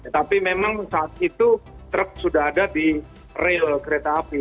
tapi memang saat itu truk sudah ada di rel kereta api